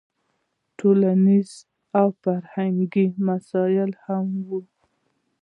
دا په ټولنیزو او فرهنګي مسایلو هم وي.